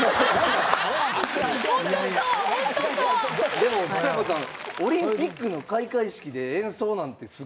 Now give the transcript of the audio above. でもちさ子さんオリンピックの開会式で演奏なんてすごいじゃないですか。